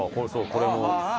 これも。